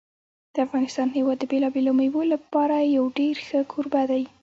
د افغانستان هېواد د بېلابېلو مېوو لپاره یو ډېر ښه کوربه دی.